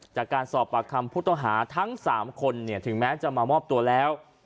จากสอบประคัมพุทธฐานทั้งสามคนถึงแม้จะมามอบตัวแล้ว